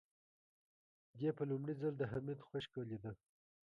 دې په لومړي ځل د حميد خشکه لېده.